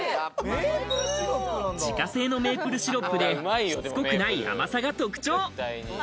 自家製のメープルシロップで、しつこくない甘さが特徴。